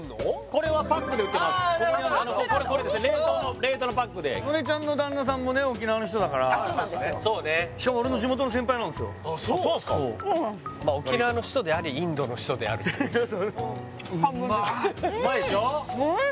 これはパックで売ってますパックだお肉冷凍のパックで曽根ちゃんの旦那さんもね沖縄の人だからそうねしかも俺の地元の先輩なんですよあっそうなんですかそうなのまあ沖縄の人でありインドの人であるといううんまい半分うまいでしょ？